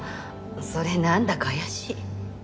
それなんだか怪しい。